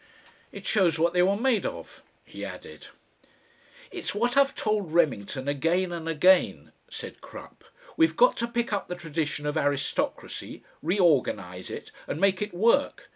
"It shows what they were made of," he added. "It's what I've told Remington again and again," said Crupp, "we've got to pick up the tradition of aristocracy, reorganise it, and make it work.